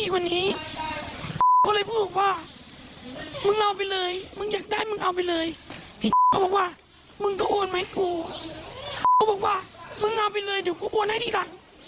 เขาบอกว่ามึงเอาไปเลยเดี๋ยวกูโอนให้ทีหลัง